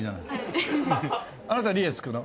あなた「リエ」付くの？